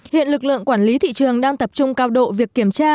hiện lực lượng quản lý thị trường đang tập trung cao độ việc kiểm tra